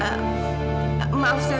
maaf saya harus pergi